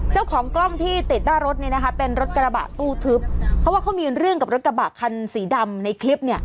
เจ้าของกล้องที่ติดหน้ารถเนี่ยนะคะเป็นรถกระบะตู้ทึบเพราะว่าเขามีเรื่องกับรถกระบะคันสีดำในคลิปเนี่ย